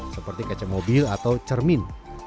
seperti kaca mobil atau cermin